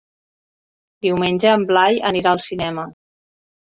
Diumenge en Blai anirà al cinema.